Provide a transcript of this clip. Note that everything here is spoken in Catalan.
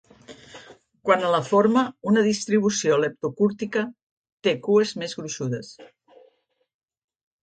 Quant a la forma, una distribució leptocúrtica té "cues més gruixudes".